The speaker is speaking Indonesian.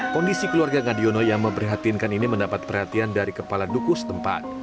kondisi keluarga ngadiono yang memprihatinkan ini mendapat perhatian dari kepala dukus tempat